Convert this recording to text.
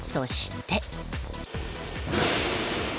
そして。